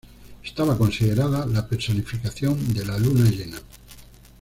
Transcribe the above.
Estaba considerada la personificación de la luna llena.